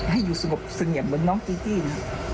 ให้อยู่สงบเสงี่ยมเหมือนน้องจีตี้นะ